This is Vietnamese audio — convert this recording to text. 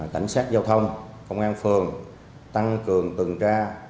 cảnh sát giao thông công an phường tăng cường tuần tra